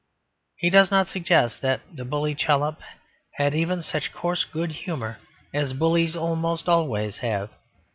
He does not suggest that the bully Chollop had even such coarse good humour as bullies almost always have.